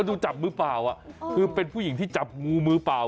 ดูจับมือเปล่าอ่ะคือเป็นผู้หญิงที่จับงูมือเปล่า